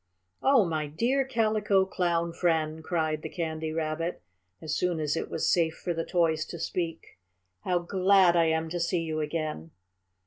"Oh, my dear Calico Clown friend!" cried the Candy Rabbit, as soon as it was safe for the toys to speak, "how glad I am to see you again."